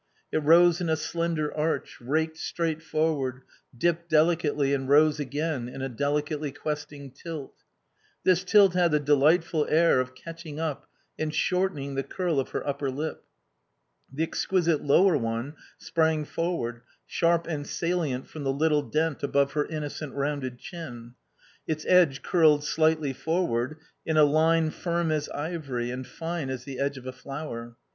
It rose in a slender arch, raked straight forward, dipped delicately and rose again in a delicately questing tilt. This tilt had the delightful air of catching up and shortening the curl of her upper lip. The exquisite lower one sprang forward, sharp and salient from the little dent above her innocent, rounded chin. Its edge curled slightly forward in a line firm as ivory and fine as the edge of a flower.